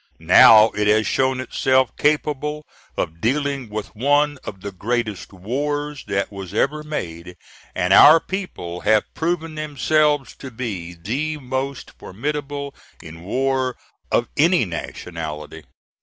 Now it has shown itself capable of dealing with one of the greatest wars that was ever made, and our people have proven themselves to be the most formidable in war of any nationality.